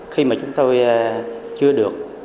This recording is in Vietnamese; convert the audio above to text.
khi mà chúng tôi chưa được